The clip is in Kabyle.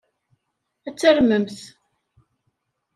Ad tarmemt.